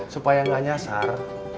supaya gak nyasar